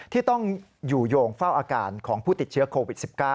ที่ต้องอยู่โยงเฝ้าอาการของผู้ติดเชื้อโควิด๑๙